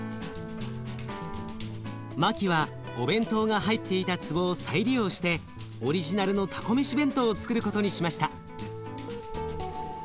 マキはお弁当が入っていた壺を再利用してオリジナルのたこ飯弁当をつくることにしました。